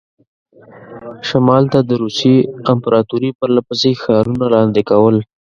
شمال ته د روسیې امپراطوري پرله پسې ښارونه لاندې کول.